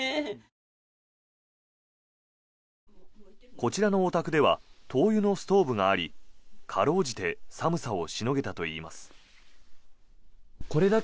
こちらのお宅では灯油のストーブがあり辛うじて寒さをしのげたといいます。